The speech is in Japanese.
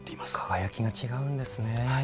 輝きが違うんですね。